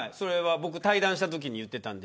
対談したときに言ってたんで。